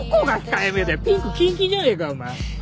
ピンクキンキンじゃねえかよお前！